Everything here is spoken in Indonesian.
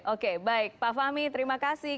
oke baik pak fahmi terima kasih